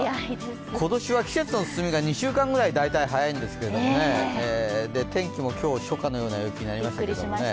今年は季節の進みが２週間ぐらい早いんですけど天気も今日、初夏のような陽気になりましたけどね。